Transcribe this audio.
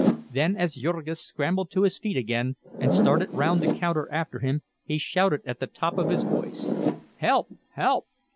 Then, as Jurgis scrambled to his feet again and started round the counter after him, he shouted at the top of his voice, "Help! help!"